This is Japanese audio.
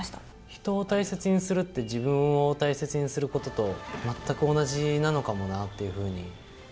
人を大切にするって、自分を大切にすることと、全く同じなのかもなっていうふうに。